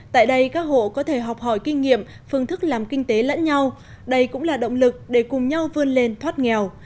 tại đây các hộ có thể học hỏi kinh nghiệm phương thức làm kinh tế lẫn nhau đây cũng là động lực để cùng nhau vươn lên thoát nghèo